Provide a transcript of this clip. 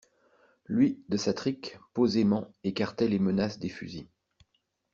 Lui, de sa trique, posément, écartait les menaces des fusils.